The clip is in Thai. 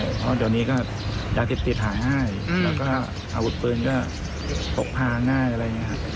เพราะเดี๋ยวนี้ก็ยาเสพติดหาง่ายแล้วก็อาวุธปืนก็พกพาง่ายอะไรอย่างนี้ครับ